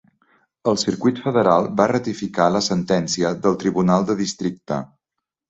El Circuit Federal va ratificar la sentència del Tribunal de Districte.